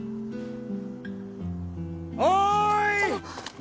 おい！